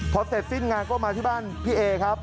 พอเสร็จสิ้นงานก็มาที่บ้านพี่เอครับ